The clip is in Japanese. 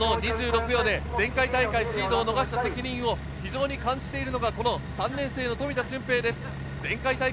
２６秒で前回大会、シードを逃した責任を感じているのが３年生の富田峻平です。